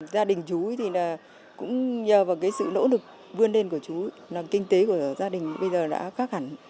gia đình chú ấy thì cũng nhờ vào cái sự nỗ lực vươn lên của chú ấy là kinh tế của gia đình bây giờ đã khác hẳn